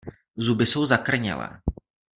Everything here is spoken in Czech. Zuby jsou zakrnělé.